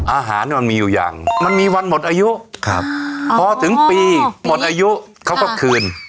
อาหารมันมีอยู่อย่างมันมีวันหมดอายุพอถึงปีหมดอายุเขาก็คืน